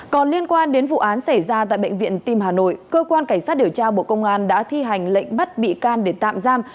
còn liên quan đến vụ án xảy ra tại bệnh viện tim hà nội cơ quan cảnh sát điều tra bộ công an đã thi hành lệnh bắt bị can để tạm giam